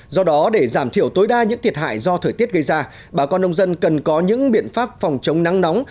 do đó để giảm thiểu tối đa những thiệt hại do thời tiết gây ra bà con nông dân cần có những biện pháp phòng chống nắng nóng